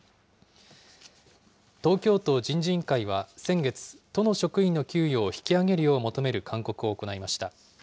東京都人事委員会は先月、都の職員の給与を引き上げるよう求める勧告を行いました。